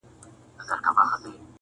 o غربته ستا په شتون کي وسوه په ما,